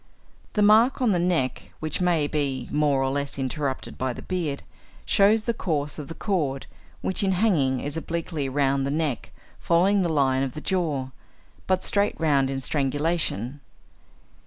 The mark on the neck, which may be more or less interrupted by the beard, shows the course of the cord, which in hanging is obliquely round the neck following the line of the jaw, but straight round in strangulation.